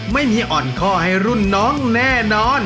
ไม่มีอ่อนข้อให้รุ่นน้องแน่นอน